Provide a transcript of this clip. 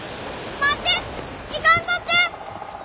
待って行かんとって！